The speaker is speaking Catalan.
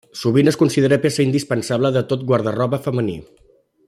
Sovint es considera peça indispensable de tot guarda-roba femení.